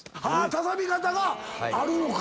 畳み方があるのか。